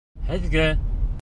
Һеҙгә!